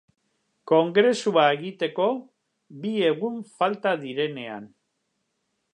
Kongresua egiteko bi egun falta direnean.